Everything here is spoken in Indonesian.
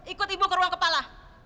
ikut ibu ke ruang kepala